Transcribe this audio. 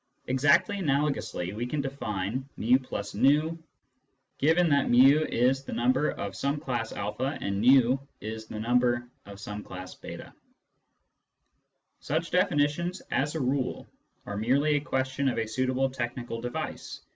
Exactly analogously we can define fi \ v, given that fi is the number of some class a and v is the number of some class j3. Such definitions, as a rule, are merely a question of a suitable technical device.